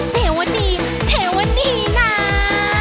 เจ๊วดีเจ๊วดีนา